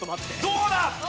どうだ？